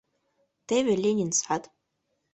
Теве Ленин сад.